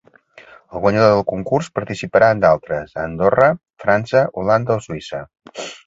El guanyador del concurs participarà en d’altres a Andorra, França, Holanda o Suïssa.